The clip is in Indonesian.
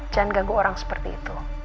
jangan ganggu orang seperti itu